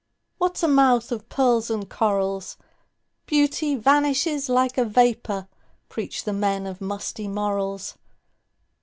What 's a mouth of pearls and corals? Beauty vanishes like a vapor, Preach the men of musty morals!